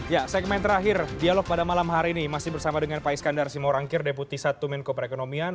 ya segmen terakhir dialog pada malam hari ini masih bersama dengan pak iskandar simorangkir deputi satu menko perekonomian